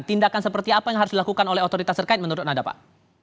tindakan seperti apa yang harus dilakukan oleh otoritas terkait menurut anda pak